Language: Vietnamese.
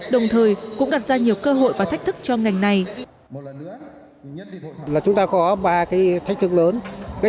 đồng thời cũng đặt ra nhiều cơ hội và thách thức cho ngành này